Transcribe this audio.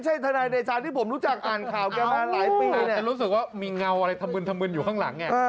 ฉันรู้สึกว่ามีเงาอะไรธมืนอยู่ข้างหลัง